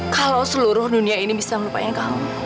kalau seluruh dunia ini bisa melupakan kamu